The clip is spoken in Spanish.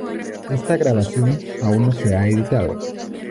Esta grabación aún no se ha editado.